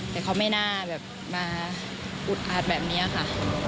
แต่เขาไม่น่าแบบมาอุดอาดแบบนี้ค่ะ